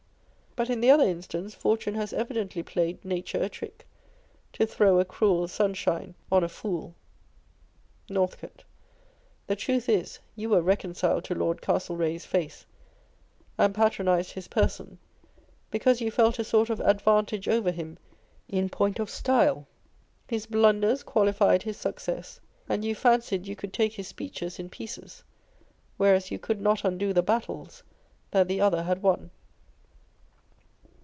But in the other instance, Fortune has evidently played Nature a trick, To throw a cruel sunshine on a fool. Northcofe. The truth is, you were reconciled to Lord Castlereagh's face, and patronised his person, because you felt a sort of advantage over him in point of style. His blunders qualified his success ; and you fancied you could take his speeches in pieces, whereas you could not undo the battles that the other had won.